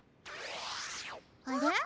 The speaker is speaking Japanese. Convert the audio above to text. あれ？